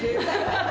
ハハハ。